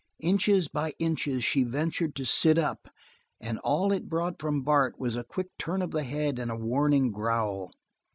Inches by inches she ventured to sit up, and all it brought from Bart was a quick turn of the head and a warning growl.